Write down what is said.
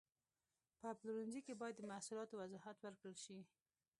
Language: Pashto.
په پلورنځي کې باید د محصولاتو وضاحت ورکړل شي.